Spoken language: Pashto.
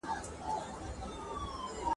چي یې نه غواړې هغه به در پیښیږي !.